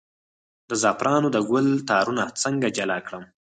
د زعفرانو د ګل تارونه څنګه جلا کړم؟